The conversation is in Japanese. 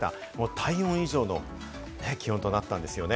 体温以上の気温となったんですよね。